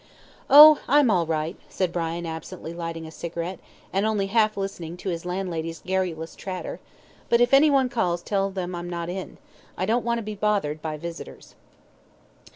"Oh, I'm all right," said Brian, absently, lighting a cigarette, and only half listening to his landlady's garrulous chatter, "but if anyone calls tell them I'm not in. I don't want to be bothered by visitors."